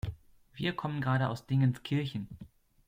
Wir kommen gerade aus Dingenskirchen.